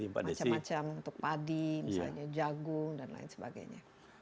macam macam untuk padi misalnya jagung dan lain sebagainya